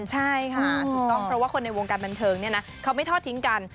ใช่ค่ะถูกต้องเพราะว่าคนในวงการบันเทิงเนี่ยนะเขาไม่ทอดทิ้งกัน